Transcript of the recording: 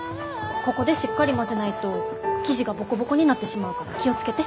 ここでしっかり混ぜないと生地がボコボコになってしまうから気を付けて。